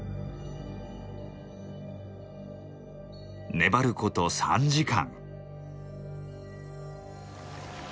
粘ること３時間。